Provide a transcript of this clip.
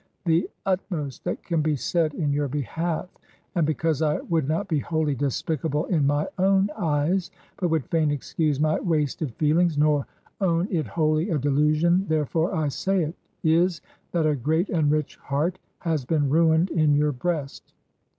... The utmost that can be said in your behalf — and because I would not be wholly despicable in my own eyes, but would fain excuse my wasted feel ings, nor own it wholly a delusion, therefore I say it — is, that a great and rich heart has been ruined in your breast.